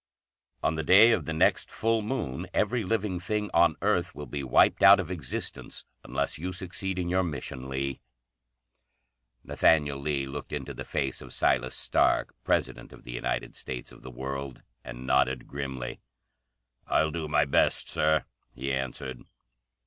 ] "On the day of the next full moon every living thing on earth will be wiped out of existence unless you succeed in your mission, Lee." Nathaniel Lee looked into the face of Silas Stark, President of the United States of the World, and nodded grimly. "I'll do my best, Sir," he answered.